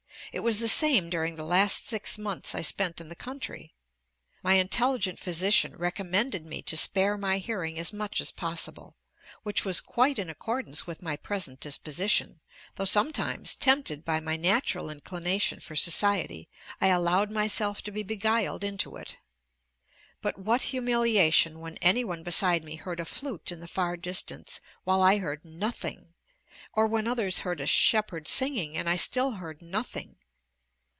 It was the same during the last six months I spent in the country. My intelligent physician recommended me to spare my hearing as much as possible, which was quite in accordance with my present disposition, though sometimes, tempted by my natural inclination for society, I allowed myself to be beguiled into it. But what humiliation when any one beside me heard a flute in the far distance, while I heard nothing, or when others heard a shepherd singing, and I still heard _nothing!